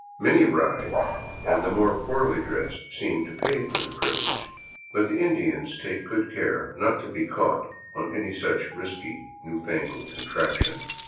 Many ride, and the more poorly dressed seem to pay for the privilege ; but the Indians take good care not to be caught on any such risky, new fangled contraption.